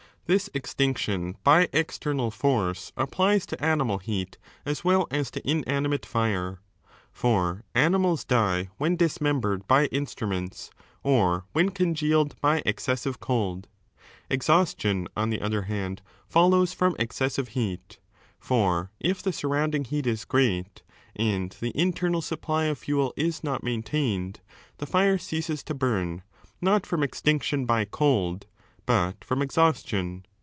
This extinction by external I force applies to animal heat as well as to inanimate fira I For animals die when dismembered by instruments or I when congealed by excessive cold. Jixhaustion, on the 6 I other hand, follows from excessive heat. For if the sur I lounding heat is great, and the internal supply of fuel is I sot maintained, the fire ceases to burn, not from extinction I by cold, but from exhaustion.